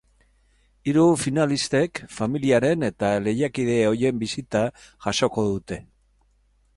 Hiru finalistek familiaren eta lehiakide ohien bisita jasoko dute.